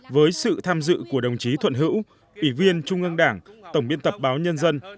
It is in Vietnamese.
với sự tham dự của đồng chí thuận hữu ủy viên trung ương đảng tổng biên tập báo nhân dân